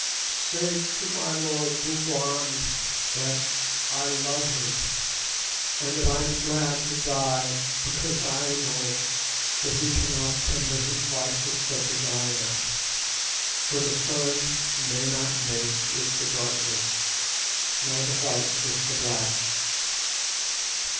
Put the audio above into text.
"Say to my lord, Bougwan, that—I love him, and that I am glad to die because I know that he cannot cumber his life with such as I am, for the sun may not mate with the darkness, nor the white with the black.